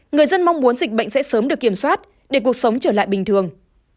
người dân mong muốn dịch bệnh sẽ sớm được kiểm soát để cuộc sống trở lại bình thường